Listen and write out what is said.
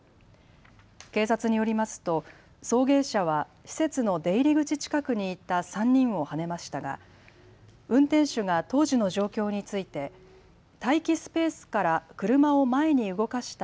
警察によりますと送迎車は施設の出入り口近くにいた３人をはねましたが運転手が当時の状況について待機スペースから車を前に動かした